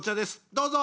どうぞ！